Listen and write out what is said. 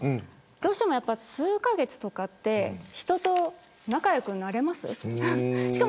どうしても数カ月とかって人と仲良くなれますか。